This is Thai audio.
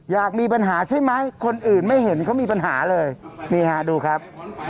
อยากมีปัญหาใช่ไหมคนอื่นไม่เห็นเขามีปัญหาเลยนี่ฮะดูครับ